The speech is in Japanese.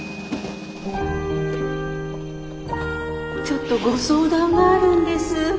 ちょっとご相談があるんです。